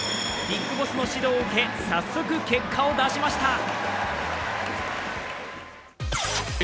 ビッグボスの指導を受け早速結果を出しました。